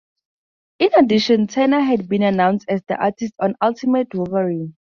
In addition Turner had been announced as the artist on "Ultimate Wolverine".